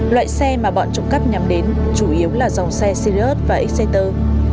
loại xe mà bọn trộm cắp nhắm đến chủ yếu là dòng xe sirius và exciter